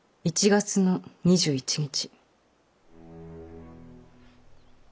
１月の２１日。